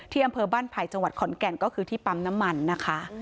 อำเภอบ้านไผ่จังหวัดขอนแก่นก็คือที่ปั๊มน้ำมันนะคะ